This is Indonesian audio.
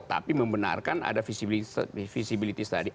tapi membenarkan ada visibility study